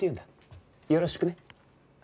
よろしくね。